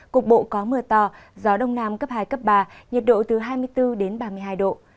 cục bộ có mưa to gió đông nam cấp hai cấp ba nhiệt độ từ hai mươi bốn đến ba mươi hai độ